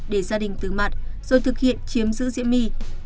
để gia đình tứ mặt rồi thực hiện chiếm giữ diễm my